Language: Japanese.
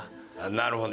なるほど。